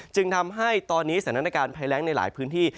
จึงทำให้ตอนนี้สถานการณ์ภัยแรงในหลายพื้นที่